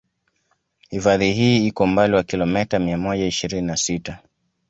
Hifadhi hii iko umbali wa kilometa mia moja ishirini na sita